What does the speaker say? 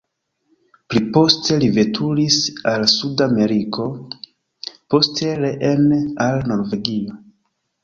Pli poste li veturis al suda Ameriko, poste reen al Norvegio.